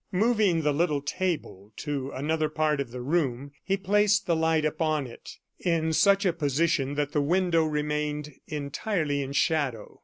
Moving the little table to another part of the room, he placed the light upon it, in such a position that the window remained entirely in shadow.